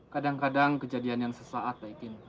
kadang kadang kejadian yang sesaat pak ikin